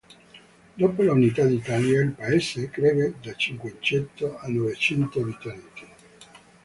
Dopo l'unità d'Italia, il paese crebbe da cinquecento a novecento abitanti.